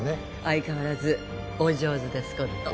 相変わらずお上手ですこと。